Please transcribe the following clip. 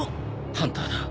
ハンターだ。